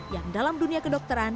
yang dalam dunia kedokteran